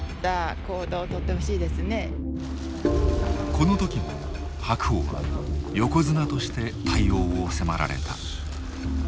この時も白鵬は横綱として対応を迫られた。